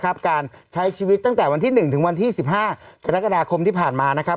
การใช้ชีวิตตั้งแต่วันที่๑ถึงวันที่๑๕กรกฎาคมที่ผ่านมานะครับ